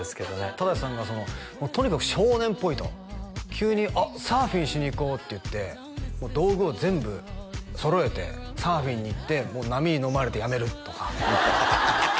忠さんがとにかく少年っぽいと急に「あっサーフィンしに行こう」って言って道具を全部揃えてサーフィンに行って波にのまれてやめるとかハハハ！